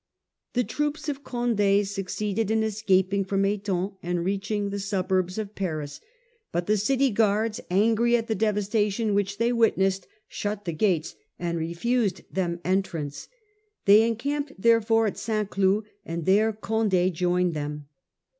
The troops of Condd succeeded in escaping from Etampes and reached the suburbs of Paris. But the city guards, angry at the devastation which they 1652. Condi at Paris . e? witnessed, shut the gates, and refused them entrance. They encamped therefore at St. Cloud, and there Conde joined them.